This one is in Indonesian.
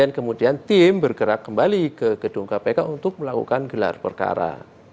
dan kemudian tim bergerak kembali ke gedung kpk untuk melakukan gelar perkara